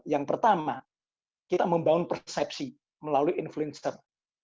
yang pertama kita membangun persepsi melalui influencer